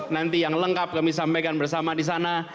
nanti yang lengkap kami sampaikan bersama di sana